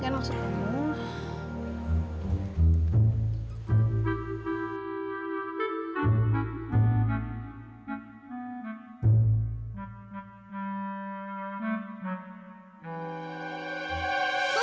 kamu ngapain sih ki